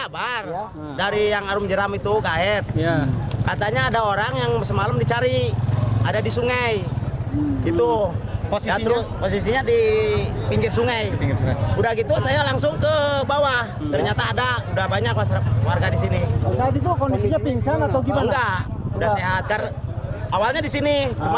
pria yang telah diperiksa di kecamatan cikidang sukabumi akhirnya ditangkap